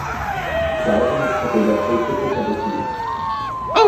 দ্বারকানাথ ঠাকুর ব্যবসায়িক ক্ষেত্রে খ্যাত ছিলেন।